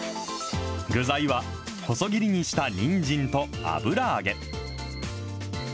具材は、細切りにしたにんじんと油揚げ。